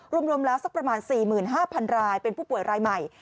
รวมแล้วสักประมาณ๔๕๐๐รายเป็นผู้ป่วยรายใหม่